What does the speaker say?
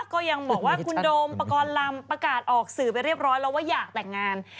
ก็ยังบอกว่าคุณโดมปกรณ์ลำประกาศออกสื่อไปเรียบร้อยแล้วว่าอยากแต่งงาน